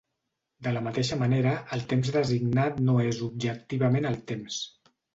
De la mateixa manera, el temps designat no és objectivament el temps.